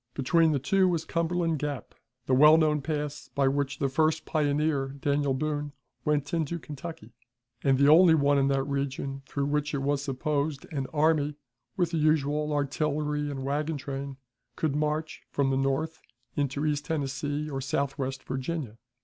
Between the two was Cumberland Gap, the well known pass by which the first pioneer, Daniel Boone, went into Kentucky, and the only one in that region through which it was supposed an army, with the usual artillery and wagon train, could march from the north into East Tennessee or southwest Virginia.